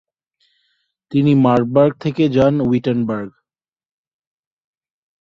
তিনি মারবার্গ থেকে যান উইটেনবার্গ।